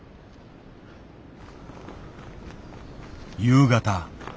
夕方。